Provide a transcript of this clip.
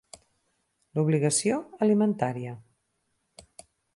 L'Obligació Alimentària.